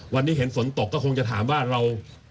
วันนี้เห็นฝนตกก็คงจะถามว่าเรา